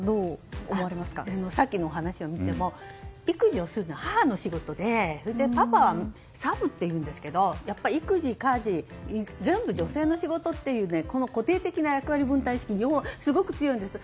さっきの話を見ても育児をするのは母の仕事でパパはサブっていうですが育児、家事全部女性の仕事という固定的な役割分担意識が日本はすごく強いんです。